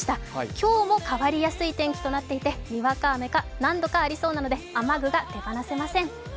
今日も変わりやすい天気となっていてにわか雨が何度かありそうなので雨具が手放せません。